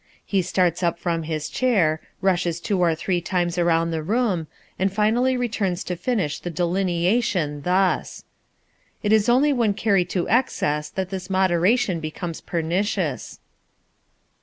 He starts up from his chair, rushes two or three times around the room, and finally returns to finish the delineation thus: "it is only when carried to excess that this moderation becomes pernicious."